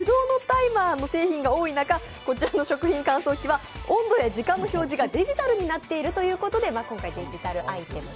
一応、手動のタイマーの製品が多い中、こちらの食品乾燥機は温度や時間の表示がデジタルになっているということで今回、デジタルアイテムと。